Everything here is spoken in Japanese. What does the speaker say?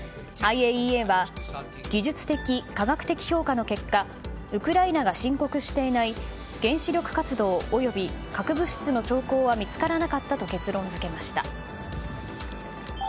ＩＡＥＡは技術的、科学的評価の結果ウクライナが申告していない原子力活動及び核物質の兆候は見つからなかったと結論付けました。